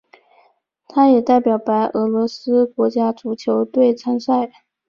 他也代表白俄罗斯国家足球队参赛。